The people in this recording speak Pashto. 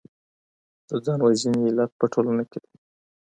د ځان وژنې علت په ټولنه کي دی.